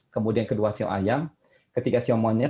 kemudian kedua siu ayam ketiga siu monyet